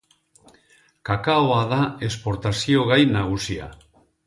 Kakaoa da esportazio gai nagusia.